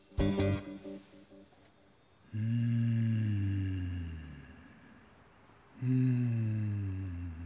うんうん。